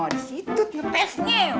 disitu tuh pesnya